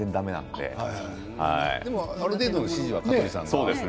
でもある程度指示は香取さんが。